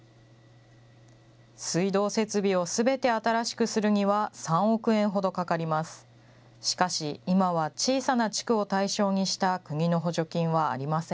水道設備をすべて新しくするには３億円ほどかかります。